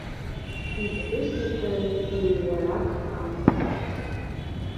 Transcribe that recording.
Иԥҳәыси сареи еиуарак ҳамоуп.